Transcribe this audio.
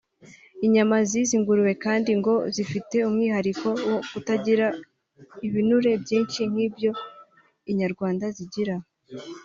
Inyama z’izi ngurube kandi ngo zifite umwihariko wo kutagira ibunure byinshi nk’ ibyo inyarwanda zigira